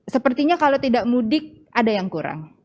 sepertinya kalau tidak mudik ada yang kurang